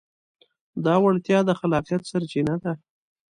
دا وړتیا د خلاقیت سرچینه ده.